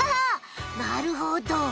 なるほど！